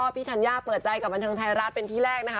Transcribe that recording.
พี่ทัญญ่าเปิดใจกับบันทึงไทยรัฐเป็นที่แรก